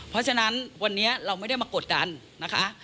เพราะฉะนั้นวันนี้เราไม่ได้มากดดันนะคะ